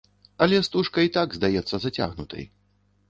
Але стужка й так здаецца зацягнутай.